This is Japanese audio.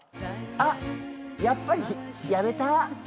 あっやっぱりやめた。